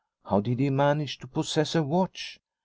How did he manage to possess a watch